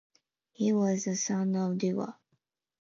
He was the son of Duwa.